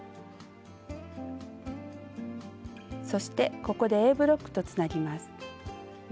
そしてここでＡブロックとつなぎます。